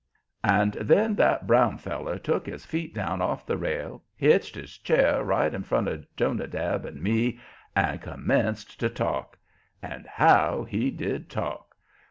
And then that Brown feller took his feet down off the rail, hitched his chair right in front of Jonadab and me and commenced to talk. And HOW he did talk!